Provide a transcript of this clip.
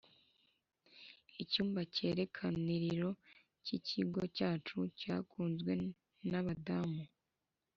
icyumba cyerekaniriro cyikigo cyacu cyakunzwe nabadamu.